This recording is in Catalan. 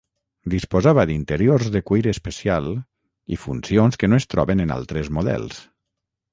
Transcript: Disposava d'interiors de cuir especial i funcions que no es troben en altres models.